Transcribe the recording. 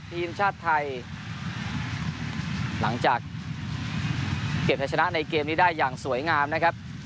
ทีมชาติไทยหลังจากเก็บใช้ชนะในเกมนี้ได้อย่างสวยงามนะครับ